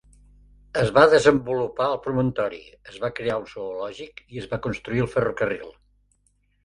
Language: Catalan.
Es va desenvolupar el promontori, es va crear un zoològic i es va construir el ferrocarril.